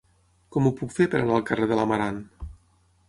Com ho puc fer per anar al carrer de l'Amarant?